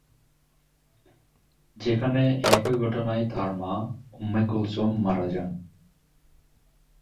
যেখানে একই ঘটনায় তার মা উম্মে কুলসুম মারা যান।